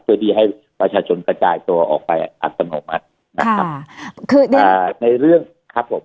เพื่อที่ให้ประชาชนกระจายตัวออกไปอัตโนมัตินะครับคืออ่าในเรื่องครับผม